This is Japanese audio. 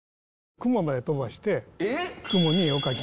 雲まで飛ばしてえっ？